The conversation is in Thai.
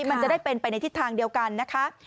มันจะได้เป็นไปในทิศทางเดียวกันนะคะ